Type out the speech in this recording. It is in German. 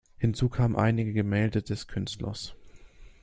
Hinzu kamen einige Gemälde des Künstlers.